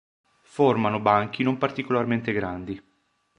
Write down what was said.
Formano banchi non particolarmente grandi.